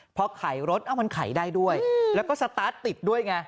เพราะขายรถอ่ะมันขายได้ด้วยแล้วก็สตาร์ทติดด้วยไง